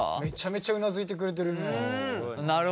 めちゃめちゃうなずいてくれてるな。